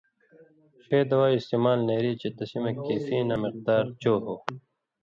ݜے دوائ استعمال نیری چے تسی مہ کیفیناں مغدار چو ہو۔